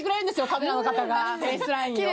カメラの方がフェイスラインを。